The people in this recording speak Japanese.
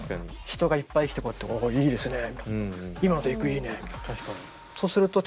人がいっぱい来てこうやって「ああいいですね」と。